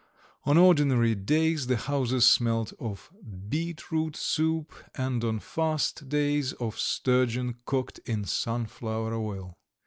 On ordinary days the houses smelt of beetroot soup, and on fast days of sturgeon cooked in sunflower oil.